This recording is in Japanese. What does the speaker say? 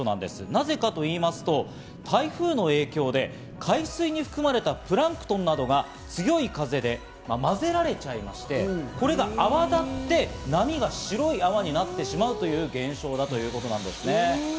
なぜかと言いますと台風の影響で、海水に含まれたプランクトンなどが強い風で混ぜられちゃいまして、これが泡立って、波が白い泡になってしまうという現象だということなんですね。